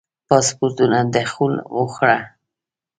پاسپورټونو دخول وخوړه.